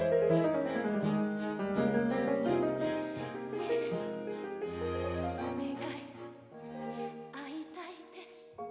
「ねえお願い会いたいです」